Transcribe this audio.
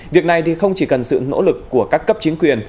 việc này không chỉ cần sự nỗ lực của các cấp chính quyền